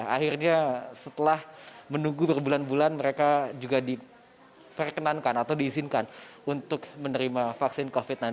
akhirnya setelah menunggu berbulan bulan mereka juga diperkenankan atau diizinkan untuk menerima vaksin covid sembilan belas